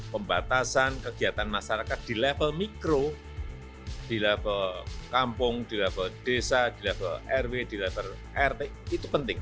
pembatasan kegiatan masyarakat di level mikro di level kampung di level desa di level rw di level rt itu penting